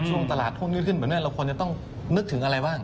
ช่วงตลาดช่วงนี้ขึ้นแบบนี้เราควรจะต้องนึกถึงอะไรบ้าง